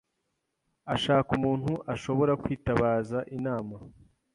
Ashaka umuntu ashobora kwitabaza inama.